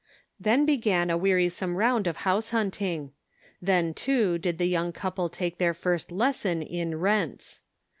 Then began a wearisome round of house hunt ing. Then too did the young couple take their first lesson in " rents."